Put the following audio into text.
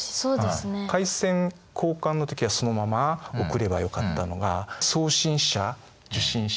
回線交換の時はそのまま送ればよかったのが送信者受信者